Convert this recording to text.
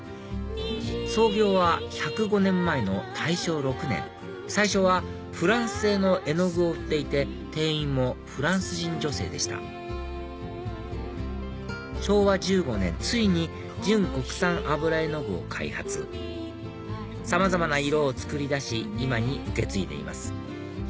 創業は１０５年前の大正６年最初はフランス製の絵の具を売っていて店員もフランス人女性でした昭和１５年ついに純国産油絵の具を開発さまざまな色を作り出し今に受け継いでいます